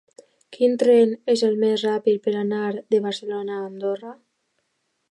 Quin tren és el més ràpid per anar de Barcelona a Andorra?